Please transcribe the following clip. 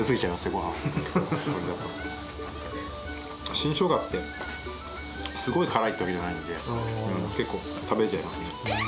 新しょうがってすごい辛いってわけじゃないので結構食べられちゃいますね。